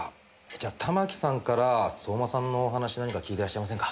じゃあ玉木さんから相馬さんのお話何か聞いてらっしゃいませんか？